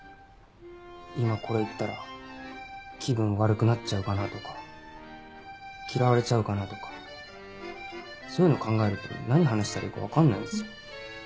今これ言ったら気分悪くなっちゃうかなとか嫌われちゃうかなとかそういうの考えると何話したらいいか分かんないんですよ。